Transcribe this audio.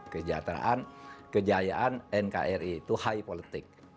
kejataan kejayaan nkri itu high politik